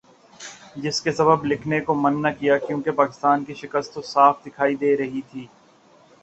جس کے سبب لکھنے کو من نہ کیا کیونکہ پاکستان کی شکست تو صاف دکھائی دے رہی تھی ۔